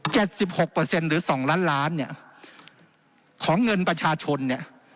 สิบหกเปอร์เซ็นต์หรือสองล้านล้านเนี่ยของเงินประชาชนเนี่ย